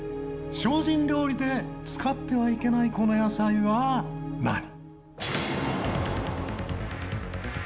精進料理で使ってはいけないこの野菜は何か？